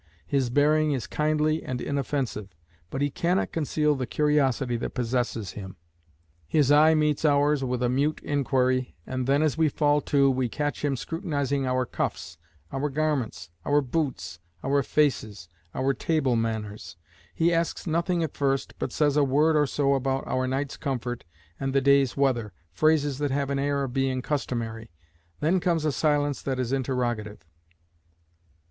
His bearing is kindly and inoffensive, but he cannot conceal the curiosity that possesses him. His eye meets ours with a mute inquiry, and then as we fall to, we catch him scrutinising our cuffs, our garments, our boots, our faces, our table manners. He asks nothing at first, but says a word or so about our night's comfort and the day's weather, phrases that have an air of being customary. Then comes a silence that is interrogative.